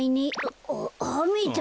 あっあめだ。